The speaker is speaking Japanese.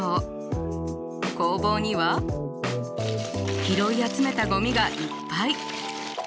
工房には拾い集めたゴミがいっぱい！